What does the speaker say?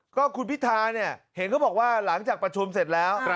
ก็คุณพิธาเนี่ยเห็นเขาบอกว่าหลังจากประชุมเสร็จแล้ว